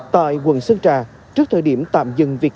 tại quận sơn trà trước thời điểm tạm dừng việc